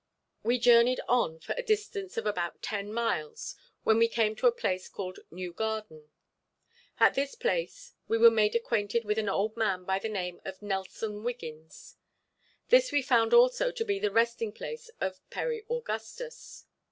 We journeyed on for a distance of about ten miles when we came to a place called New Garden. At this place we were made acquainted with an old man by the name of Nelson Wiggins. This we found also to be the resting place of Perry Augustus.